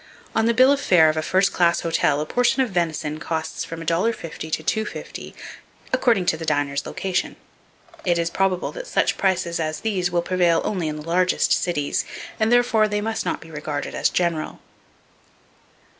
On the bill of fare of a first class hotel, a portion of venison costs from $1.50 to $2.50 according to the diner's location. It is probable that such prices as these will prevail only in the largest cities, and therefore they must not be regarded as general.